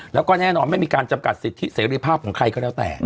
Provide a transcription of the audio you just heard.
แล้วก็แน่นอนไม่มีการจำกัดสิทธิเสรีภาพของใครก็แล้วแต่